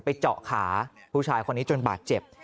เจาะขาผู้ชายคนนี้จนบาดเจ็บ